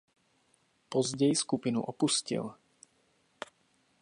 Později skupinu opustil.